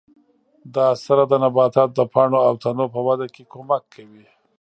دا سره د نباتاتو د پاڼو او تنو په وده کې کومک کوي.